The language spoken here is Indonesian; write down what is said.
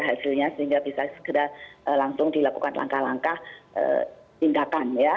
hasilnya sehingga bisa segera langsung dilakukan langkah langkah tindakan ya